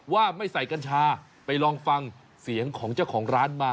ว่าไม่ใส่กัญชาไปลองฟังเสียงของเจ้าของร้านมา